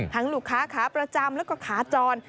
ทั้งลูกค้าขาประจำและขาจร